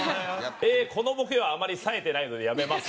「えーこのボケはあまりサエてないのでやめます」